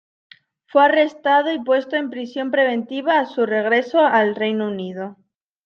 Fue arrestado y puesto en prisión preventiva a su regreso al Reino Unido.